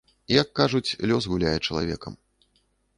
Як, кажуць, лёс гуляе чалавекам.